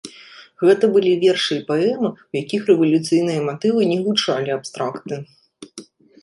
Гэта былі вершы і паэмы, у якіх рэвалюцыйныя матывы не гучалі абстрактна.